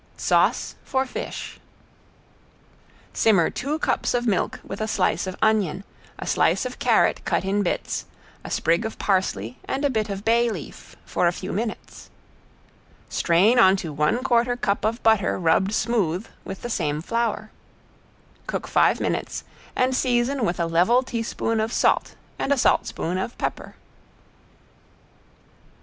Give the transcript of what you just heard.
~SAUCE FOR FISH~ Simmer two cups of milk with a slice of onion, a slice of carrot cut in bits, a sprig of parsley and a bit of bay leaf for a few minutes. Strain onto one quarter cup of butter rubbed smooth with the same flour. Cook five minutes and season with a level teaspoon of salt and a saltspoon of pepper.